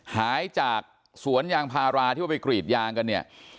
หายจากสวนยางพาราที่ว่าไปกรีดยางกันเนี่ย